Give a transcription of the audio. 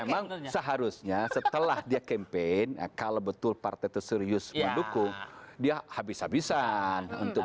memang seharusnya setelah dia campaign kalau betul partai itu serius mendukung dia habis habisan